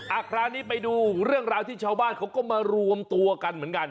คราวนี้ไปดูเรื่องราวที่ชาวบ้านเขาก็มารวมตัวกันเหมือนกัน